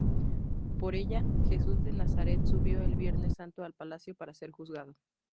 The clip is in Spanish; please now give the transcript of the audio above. Por ella Jesús de Nazaret subió el Viernes Santo al palacio para ser juzgado.